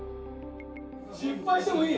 失敗してもいい！